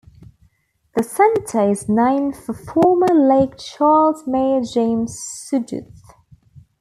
The center is named for former Lake Charles Mayor James Sudduth.